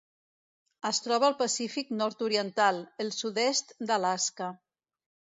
Es troba al Pacífic nord-oriental: el sud-est d'Alaska.